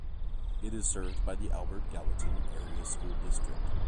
It is served by the Albert Gallatin Area School District.